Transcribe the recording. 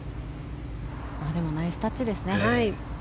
でもナイスタッチですね。